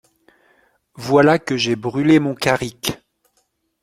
Voilà que j'ai brûlé mon carrick.